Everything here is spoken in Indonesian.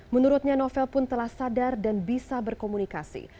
menurutnya novel pun telah sadar dan bisa berkomunikasi